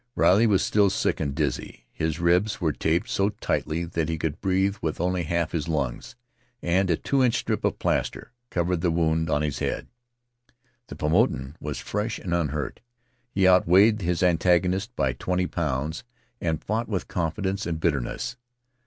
Riley was still sick and dizzy; his ribs were taped so tightly that he could breathe with only half his lungs, and a two inch strip of plaster covered the wound on his head. The Paumotan was fresh and unhurt; he outweighed his antagonist by twenty pounds, and fought with confidence and bitter ness.